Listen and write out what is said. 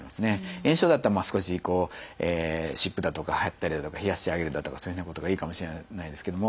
炎症だったら少しこう湿布だとか貼ったりだとか冷やしてあげるだとかそういうようなことがいいかもしれないですけれども。